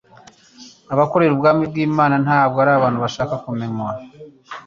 abakorera ubwami bw'Imana ntabwo ari abantu bashaka kumenywa